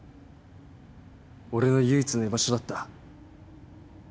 俺の唯一の居場所だった。